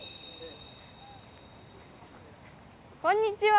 こんにちは。